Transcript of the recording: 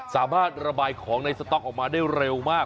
สามารถระบายของในสต๊อกออกมาได้เร็วมาก